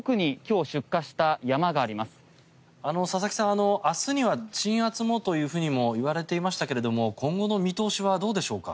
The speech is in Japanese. あの明日には鎮圧もというふうにも言われていましたけれども今後の見通しはどうでしょうか？